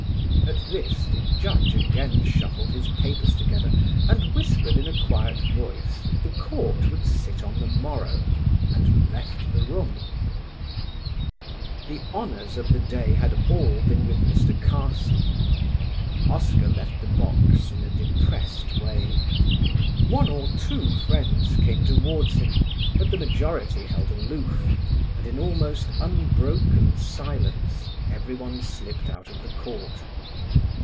At this the Judge again shuffled his papers together and whispered in a quiet voice that the court would sit on the morrow, and left the room. The honours of the day had all been with Mr. Carson. Oscar left the box in a depressed way. One or two friends came towards him, but the majority held aloof, and in almost unbroken silence everyone slipped out of the court.